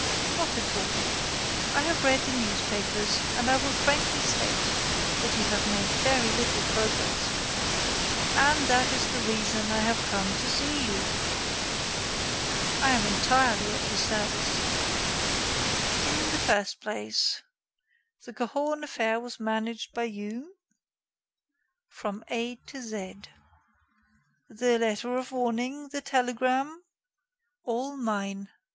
"Not at all. I have read the newspapers and I will frankly state that you have made very little progress." "And that is the reason I have come to see you." "I am entirely at your service." "In the first place, the Cahorn affair was managed by you?" "From A to Z." "The letter of warning? the telegram?" "All mine.